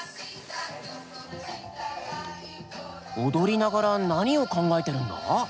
踊りながら何を考えてるんだ？